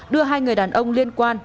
đưa hai người đàn ông liên quan